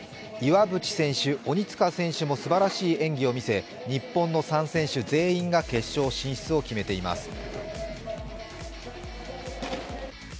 岩渕選手、鬼塚選手もすばらしい演技を見せ日本の３選手全員が決勝進出を決めています。